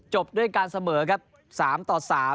ด้วยการเสมอครับ๓ต่อ๓